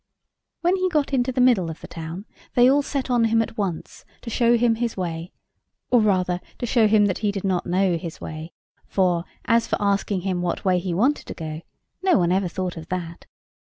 When he got into the middle of the town, they all set on him at once, to show him his way; or rather, to show him that he did not know his way; for as for asking him what way he wanted to go, no one ever thought of that.